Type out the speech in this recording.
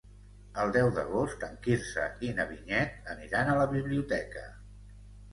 El deu d'agost en Quirze i na Vinyet aniran a la biblioteca.